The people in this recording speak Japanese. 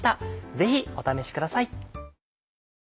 ぜひお試しください。